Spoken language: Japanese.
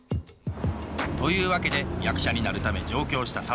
というわけで役者になるため上京した諭。